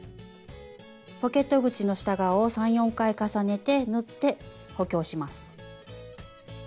ポケット口の下側を３４回重ねて縫って補強します。